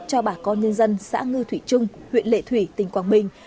cho bà con nhân dân xã ngư thủy trung huyện lệ thủy tỉnh quảng bình